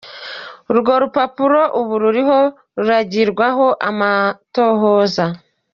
Urwo rupapuro ubu ruriko ruragirwako amatohoza.